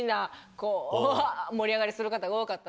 こう盛り上がりする方が多かったんです。